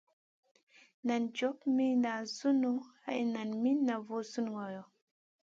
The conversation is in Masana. Nan job mi nazion al nan mi na voo sùn ŋolo.